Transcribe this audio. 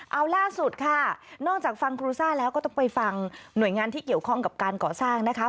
เอาล่าสุดค่ะนอกจากฟังครูซ่าแล้วก็ต้องไปฟังหน่วยงานที่เกี่ยวข้องกับการก่อสร้างนะคะ